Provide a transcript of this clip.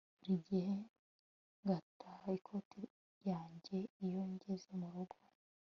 Buri gihe ngataha ikoti yanjye iyo ngeze murugo